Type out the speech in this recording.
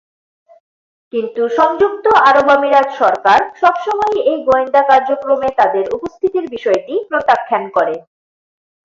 কিন্তু সংযুক্ত আরব আমিরাত সরকার সবসময়ই এই গোয়েন্দা কার্যক্রমে তাদের উপস্থিতির বিষয়টি প্রত্যাখ্যান করে।